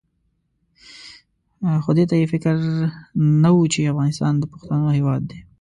خو دې ته یې فکر نه وو چې افغانستان د پښتنو هېواد دی.